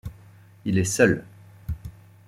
Il est seul.